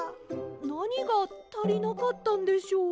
なにがたりなかったんでしょう？